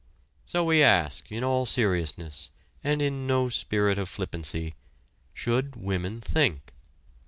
So we ask, in all seriousness, and in no spirit of flippancy: "Should women think?"